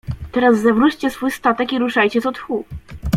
Teraz zawróćcie swój statek i ruszajcie co tchu.